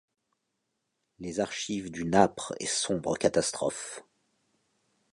Les archives d’une âpre et sombre catastrophe